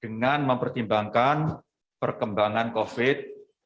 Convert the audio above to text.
dengan mempertimbangkan perkembangan covid sembilan belas